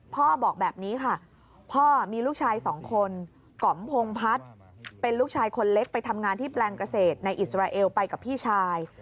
บอกแบบนี้ค่ะพ่อมีลูกชายสองคนก๋อมพงพัฒน์เป็นลูกชายคนเล็กไปทำงานที่แปลงเกษตรในอิสราเอลไปกับพี่ชาย